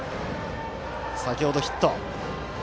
先ほどヒット。